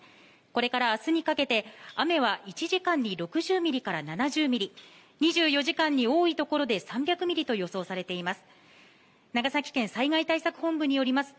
これから明日にかけて、雨は１時間に６０ミリから７０ミリ２４時間に多いところで３００ミリと予想されています。